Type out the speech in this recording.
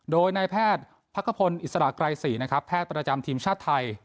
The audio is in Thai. โดยนายแพทย์พักขพลอิสระไกรศรีนะครับแพทย์ประจำทีมชาติไทย